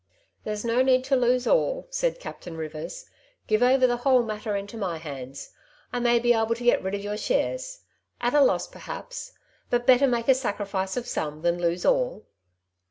" There's no need to lose all," said Captain Rivers. ^' Give over the whole matter into my hands. I may be able to get rid of your shares — at a loss, perhaps ; but better make a sacrifice of some, than lose all."